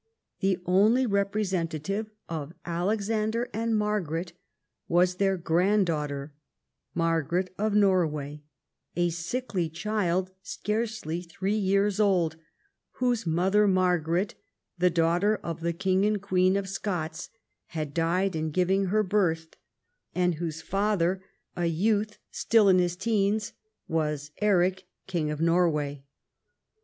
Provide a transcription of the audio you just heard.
The only representative of Alexander and Margaret was their granddaughter, Margaret of Norway, a sickly child scarcely three years old, whose mother, Margaret, the daughter of the King and Queen of Scots, had died in giving her birth, and whose father, a youth still in his teens, was Eric, King of Norway.